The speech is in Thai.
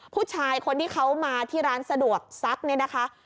ผู้ชายคนที่เขามาที่ร้านสะดวกซักเนี่ยนะคะ